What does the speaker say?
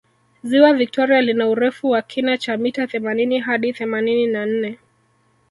ziwa victoria lina urefu wa kina cha mita themanini hadi themanini na nne